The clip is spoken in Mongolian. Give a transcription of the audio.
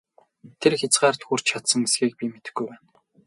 Тэр хязгаарт хүрч чадсан эсэхийг би мэдэхгүй байна!